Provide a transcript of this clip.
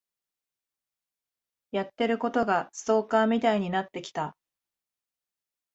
やってることがストーカーみたいになってきた。